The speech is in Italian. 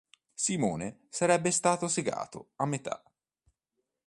Simone sarebbe stato segato a metà.